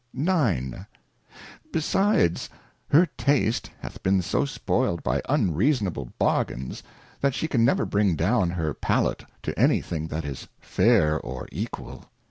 IX. Besides, her Taste hath been so spoiled by unreasonable Bargains, that she can never bring down her Palate to any thing that is fair or equal.